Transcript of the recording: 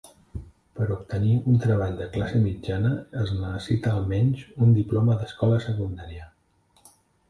Per obtenir un treball de classe mitjana es necessita almenys un diploma d'escola secundària.